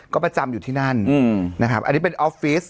ก็ประจำอยู่ที่นั่นนะครับอันนี้เป็นออฟฟิศ